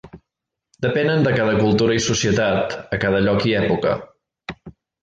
Depenen de cada cultura i societat, a cada lloc i època.